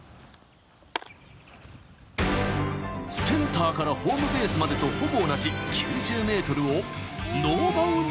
［センターからホームベースまでとほぼ同じ］